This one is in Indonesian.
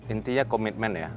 intinya komitmen ya